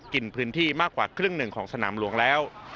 กินพื้นที่มากกว่าครึ่งหนึ่งของสนามหลวงแล้ว